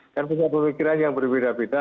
kan punya pemikiran yang berbeda beda